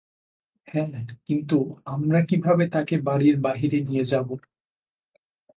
হ্যাঁ, কিন্তু আমরা কিভাবে তাকে বাড়ির বাহিরে নিয়ে যাবো?